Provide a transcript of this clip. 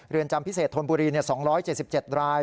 จำพิเศษธนบุรี๒๗๗ราย